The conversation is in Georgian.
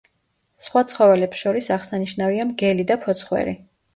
სხვა ცხოველებს შორის აღსანიშნავია მგელი და ფოცხვერი.